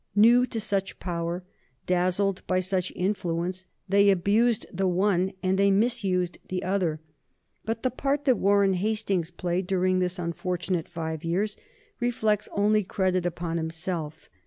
New to such power, dazzled by such influence, they abused the one and they misused the other. But the part that Warren Hastings played during this unfortunate five years reflects only credit upon himself.